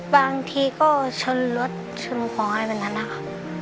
บางทีก็ชนรถชนของอะไรแบบนั้นนะคะ